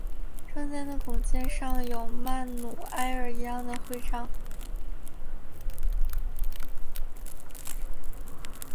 中间的拱肩上有曼努埃尔一世的徽章。